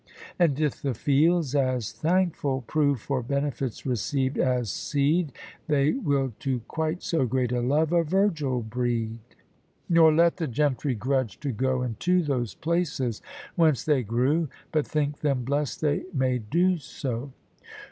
And if the fields as thankful prove For benefits received, as seed, They will to 'quite so great a love A Virgil breed. Nor let the gentry grudge to go Into those places whence they grew, But think them blest they may do so.